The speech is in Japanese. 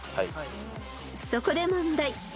［そこで問題］